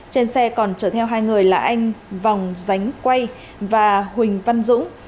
trên xe còn chở theo hai người là anh vòng ránh quay và huỳnh văn dũng